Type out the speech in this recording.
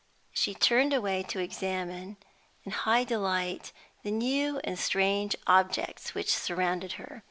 She turned away to examine, in high delight, the new and strange objects which surrounded her.